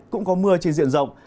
cũng có mưa trên diện rộng